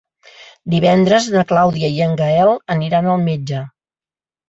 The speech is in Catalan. Divendres na Clàudia i en Gaël aniran al metge.